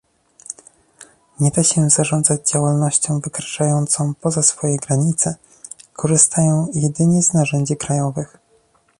Nie da się zarządzać działalnością wykraczającą poza swoje granice, korzystają jedynie z narzędzi krajowych